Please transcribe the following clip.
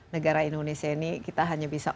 negara indonesia ini kita hanya bisa